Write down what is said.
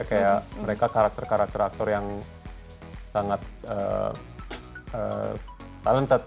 kayak mereka karakter karakter aktor yang sangat talentat